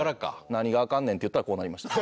「何がアカンねん」って言ったらこうなりました。